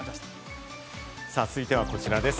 続いてはこちらです。